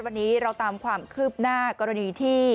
วันนี้เราตามความคืบหน้ากรณีที่